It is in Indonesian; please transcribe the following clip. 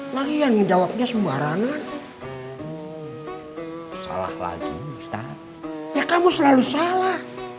lagi yang jawabnya sembarangan salah lagi ustadz ya kamu selalu salah